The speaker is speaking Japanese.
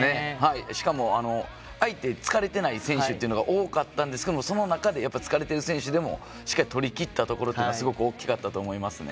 しかも、相手疲れてない選手っていうのが多かったんですけど、その中で疲れてる選手でもしっかり、とりきったところが大きかったと思います。